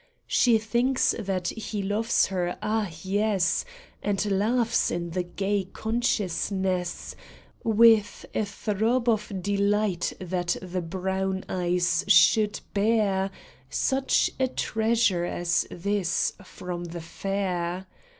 She thinks that he loves her, ah yes ; And laughs in the gay consciousness, With a throb of delight that the brown eyes should bear Such a treasure as this from the fair.